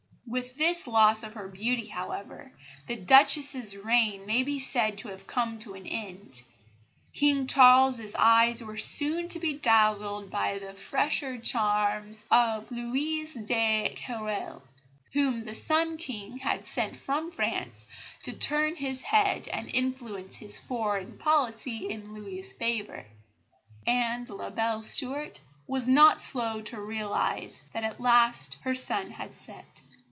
With this loss of her beauty, however, the Duchess's reign may be said to have come to an end. King Charles's eyes were soon to be dazzled by the fresher charms of Louise de Querouaille, whom the "Sun King" had sent from France to turn his head and influence his foreign policy in Louis's favour; and La belle Stuart was not slow to realise that at last her sun had set.